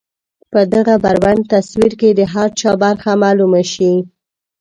په دغه بربنډ تصوير کې د هر چا برخه معلومه شي.